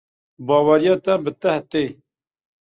Baweriya te bi te tê.